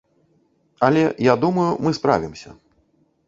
Але, я думаю, мы справімся.